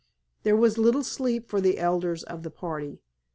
There was little sleep for the elders of the party.